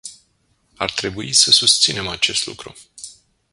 Ar trebui să susținem acest lucru.